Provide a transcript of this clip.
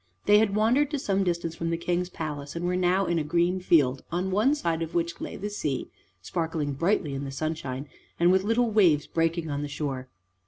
They had wandered to some distance from the King's palace and were now in a green field, on one side of which lay the sea, sparkling brightly in the sunshine, and with little waves breaking on the shore.